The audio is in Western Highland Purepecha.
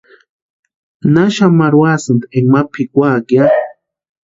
¿Naxani marhuasïni enka ma pʼikwaki ya?